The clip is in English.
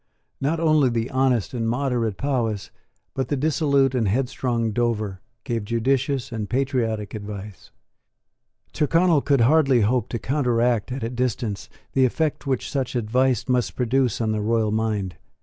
Not only the honest and moderate Powis, but the dissolute and headstrong Dover, gave judicious and patriotic advice. Tyrconnel could hardly hope to counteract at a distance the effect which such advice must produce on the royal mind.